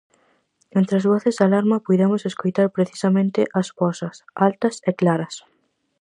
Entre as voces de alarma puidemos escoitar precisamente as vosas, altas e claras.